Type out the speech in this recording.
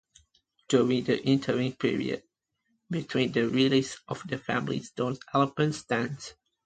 During the interim period between the releases of the Family Stone albums Stand!